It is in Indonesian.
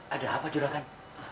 ada apa juragan